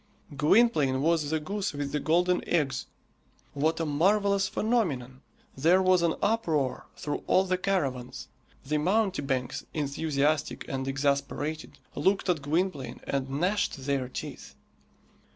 Gwynplaine was the goose with the golden eggs! What a marvellous phenomenon! There was an uproar through all the caravans. The mountebanks, enthusiastic and exasperated, looked at Gwynplaine and gnashed their teeth.